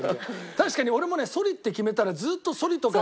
確かに俺もねソリって決めたらずっとソリとかね。